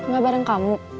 gak bareng kamu